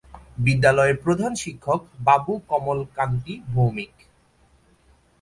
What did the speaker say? বিদ্যালয়ের প্রধান শিক্ষক বাবু কমল কান্তি ভৌমিক।